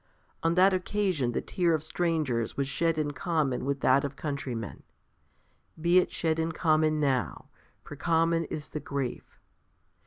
On that occasion the tear of strangers was shed in common with that of countrymen; be it shed in common now, for common is the grief.